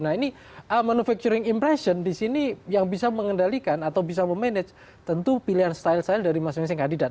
nah ini manufacturing impression disini yang bisa mengendalikan atau bisa memanage tentu pilihan style style dari masing masing kandidat